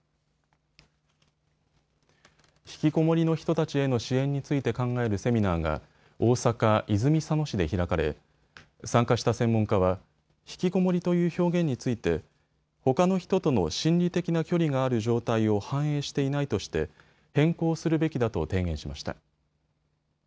引きこもりの人たちへの支援について考えるセミナーが大阪泉佐野市で開かれ、参加した専門家は引きこもりという表現についてほかの人との心理的な距離がある状態を反映していないとして変更するべきだと提言しました。